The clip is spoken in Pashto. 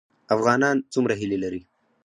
افغانان څومره هیلې لري؟